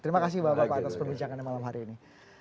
terima kasih bapak bapak atas perbincangannya malam hari ini